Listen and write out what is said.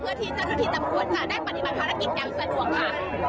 เพื่อที่เจ้าหน้าที่ตำรวจจะได้ปฏิบัติภารกิจอย่างสะดวกค่ะ